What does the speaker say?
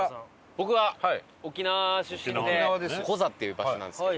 僕は沖縄出身でコザっていう場所なんですけど。